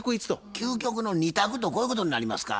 究極の二択とこういうことになりますか？